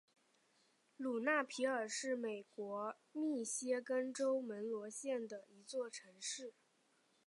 卢纳皮尔是美国密歇根州门罗县的一座城市。